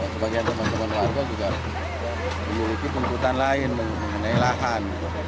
sebagian teman teman warga juga memiliki tuntutan lain mengenai lahan